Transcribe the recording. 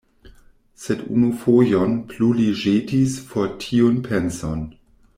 Sed unufojon plu li ĵetis for tiun penson.